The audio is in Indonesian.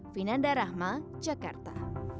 vinanda rahma jakarta